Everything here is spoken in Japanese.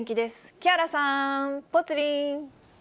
木原さん、ぽつリン。